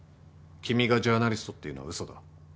君がジャーナリストっていうのは嘘だ。